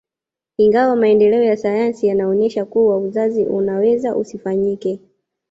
Ingawa maendeleo ya sayansi yanaonesha kuwa uzazi unaweza usifanyike